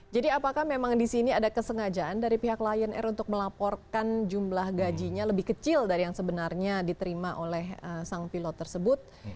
jadi apakah memang di sini ada kesengajaan dari pihak lion air untuk melaporkan jumlah gajinya lebih kecil dari yang sebenarnya diterima oleh sang pilot tersebut